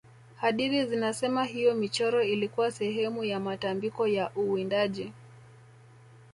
hadithi zinasema hiyo michoro ilikuwa sehemu ya matambiko ya uwindaji